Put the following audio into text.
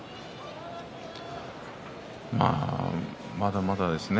まだまだですね。